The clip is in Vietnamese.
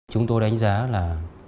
chúng tôi đánh giá là